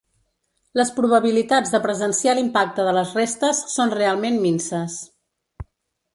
Les probabilitats de presenciar l’impacte de les restes són realment minses.